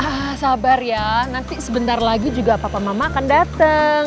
ah sabar ya nanti sebentar lagi juga papa mama akan datang